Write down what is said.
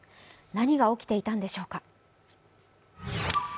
何が起きていたんでしょうか。